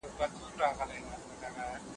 اقتصادي پرمختیا د هیواد ملي عاید زیاتوي.